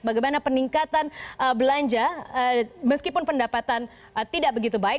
bagaimana peningkatan belanja meskipun pendapatan tidak begitu baik